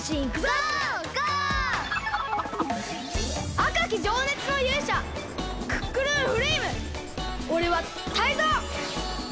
あかきじょうねつのゆうしゃクックルンフレイムおれはタイゾウ！